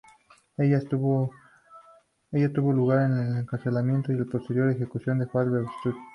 En ella tuvo lugar el encarcelamiento y la posterior ejecución de Juan el Bautista.